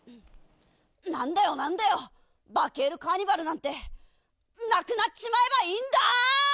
なんだよ、なんだよ、バケールカーニバルなんて、なくなっちまえばいいんだー！